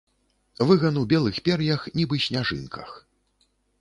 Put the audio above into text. Выган у белых пер'ях, нібы сняжынках.